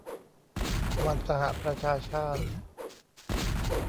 วันสหประชาชาติ